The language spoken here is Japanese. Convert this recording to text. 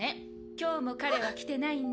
今日も彼は来てないんだ。